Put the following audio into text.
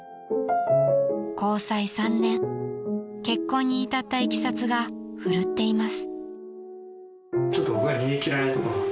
［交際３年結婚に至ったいきさつがふるっています］